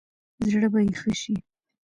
زړه به يې ښه شي.